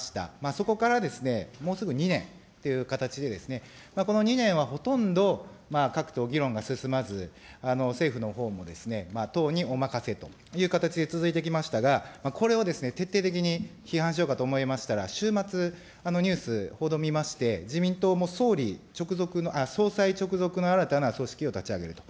そこからですね、もうすぐ２年という形でですね、この２年はほとんど各党、議論が進まず、政府のほうもですね、党にお任せという形で続いてきましたが、これをですね、徹底的に批判しようかと思いましたら、週末、ニュース、報道を見まして、自民党も、総理直属の、総裁直属の新たな組織を立ち上げると。